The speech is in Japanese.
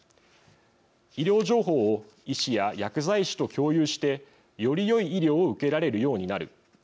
医療情報を医師や薬剤師と共有してよりよい医療を受けられるようになる。